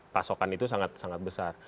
pasokan itu sangat sangat besar